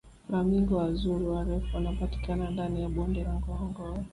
flamingo wazuri warefu wanapatikana ndani ya bonde la ngorongoro